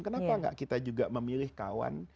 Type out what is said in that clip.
kenapa nggak kita juga memilih kawan